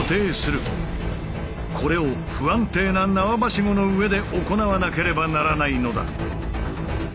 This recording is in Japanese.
これを不安定な縄ばしごの上で行わなければならないのだ。